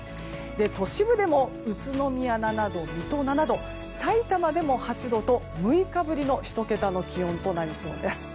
都市部でも宇都宮７度水戸で７度さいたまでも８度と６日ぶりの１桁の気温となりそうです。